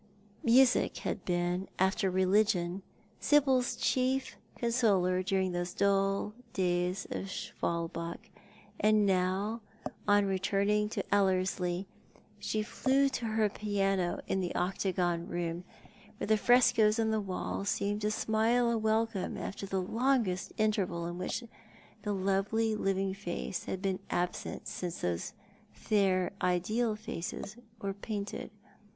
Music had been, after religion, Sibyl's chief consoler during those dull days at Schwalbach, and now, on returning to Ellerslie, she flew to her piano in the octagon room, where the frescoes on the walls seemed to smile a welcome after the longest interval in which the lovely living face had been absent since those fair ideal faces were painted.